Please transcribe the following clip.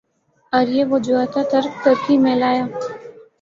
اوریہ وہ جو اتا ترک ترکی میں لایا۔